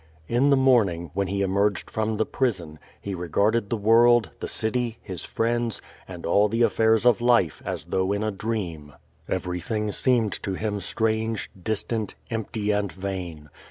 In the morning, when he emerged from the prison, he regarded the world, the city, his friends, and all the affairs of life as though in a dream. Everything seemed to him strange, distant, empty, and vain.